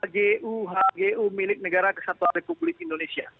hgu hgu milik negara kesatuan republik indonesia